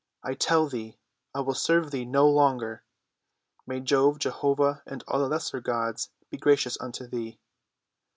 I tell thee I will serve thee no longer. May Jove, Jehovah, and all lesser gods be gracious unto thee!"